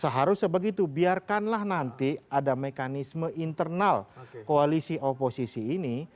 seharusnya begitu biarkanlah nanti ada mekanisme internal koalisi oposisi ini